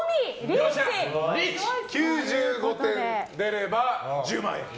９５点出れば１０万円。